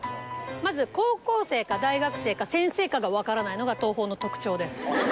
まず高校生か大学生か先生かがわからないのが桐朋の特徴です。